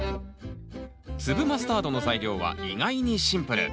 粒マスタードの材料は意外にシンプル。